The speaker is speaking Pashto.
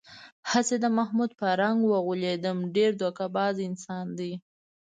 هسې د محمود په رنگ و غولېدم، ډېر دوکه باز انسان دی.